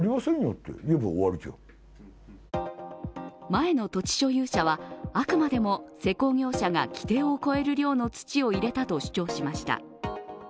前の土地所有者は、あくまでも施工業者が規定を超える量の土を入れたと主張しました。